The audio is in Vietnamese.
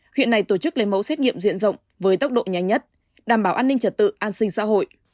huyện này tổ chức lấy mẫu xét nghiệm diện rộng với tốc độ nhanh nhất đảm bảo an ninh trật tự an sinh xã hội